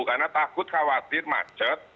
karena takut khawatir macet